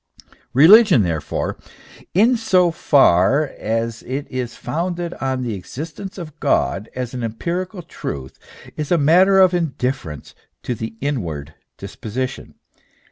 Eeligion, therefore, in so far as it is founded on the existence of God as an empirical truth, is a matter of indifference to the inward disposition.